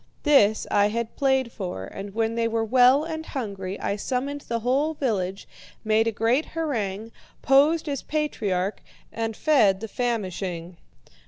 This I had played for, and when they were well and hungry, I summoned the whole village, made a great harangue, posed as patriarch, and fed the famishing.